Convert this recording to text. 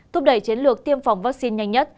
thúc đẩy chiến lược tiêm phòng vaccine nhanh nhất